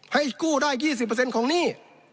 ให้กู้ได้๒๐เปอร์เซ็นต์ของหนี้